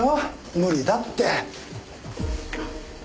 無理だって。